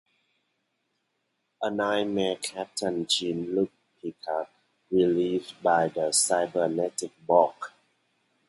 In a nightmare, Captain Jean-Luc Picard relives by the cybernetic Borg.